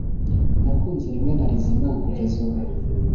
nakunze rimwe na rizima kugeza ubu